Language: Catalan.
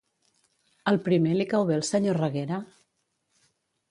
Al primer li cau bé el senyor Reguera?